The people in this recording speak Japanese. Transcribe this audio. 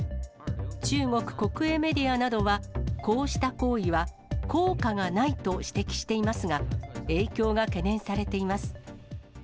中国国営メディアなどは、こうした行為は効果がないと指摘していますが、影響が懸念されています。